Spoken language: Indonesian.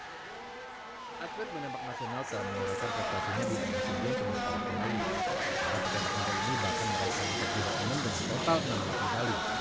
hai atlet menembak nasional dan mengeluarkan prestasinya di